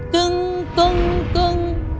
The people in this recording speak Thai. กึ้งกึ้งกึ้ง